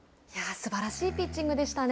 すばらしいピッチングでしたね